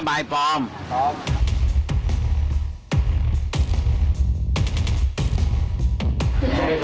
แม็พซี